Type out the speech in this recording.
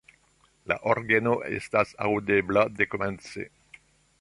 La orgeno estas aŭdebla dekomence.